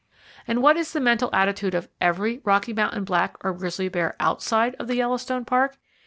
And what is the mental attitude of every Rocky Mountain black or grizzly bear outside of the Yellowstone Park?